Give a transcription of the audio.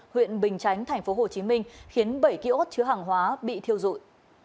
huyện bình chánh tp hcm khiến bảy ký ốt chứa hàng hóa bị thiêu rụi